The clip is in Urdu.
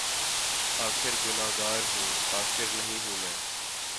آخر گناہگار ہوں‘ کافر نہیں ہوں میں